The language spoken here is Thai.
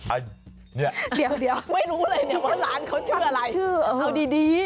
อันเนี่ยไม่รู้เลยว่าร้านเขาชื่ออะไรเอาดี